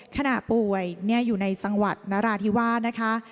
ป่วยอยู่ในจังหวัดนราธิวาสนะคะ